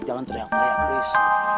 jangan teriak teriak chris